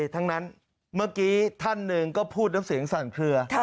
ทั้งนั้นเมื่อกี้ท่านหนึ่งก็พูดน้ำเสียงสั่นเคลือ